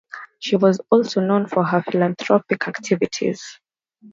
She was also known for her philanthropic activities.